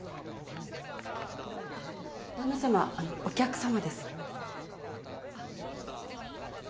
旦那様あのお客様です。